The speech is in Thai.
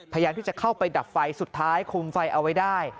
พยายามที่จะเข้าไปดับไฟสุดท้ายคุมไฟเอาไว้ได้